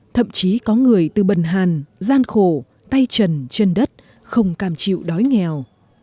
thậm chí có người từ bần hàn gian khổ tay trần chân đất không cam chịu đói nghèo